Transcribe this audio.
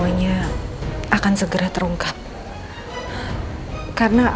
pokoknya orang sudah berada di bagian selesai